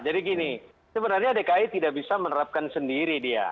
jadi gini sebenarnya dki tidak bisa menerapkan sendiri dia